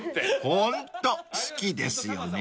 ［ホント好きですよね］